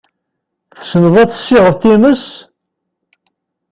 Tessneḍ ad tessiɣeḍ times?